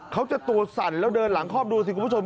เขาจะตัวสั่นแล้วเดินหลังคอบดูสิคุณผู้ชม